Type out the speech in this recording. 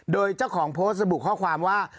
โดยเจ้าของโพสต์ระบุข้อความว่า